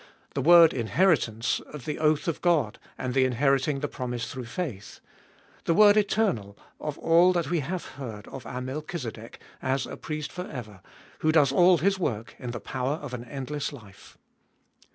The word inheritance of the oath of God and the inheriting the promise through faith. The word eternal of all we have heard of our Melchizedek, as a Priest for ever, who does all His work in the power of an endless life.